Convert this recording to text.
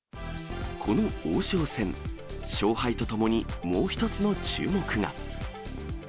この王将戦、勝敗とともにもう一つの注目が。